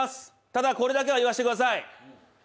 ただ、これだけは言わせてください。